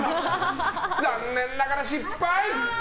残念ながら、失敗！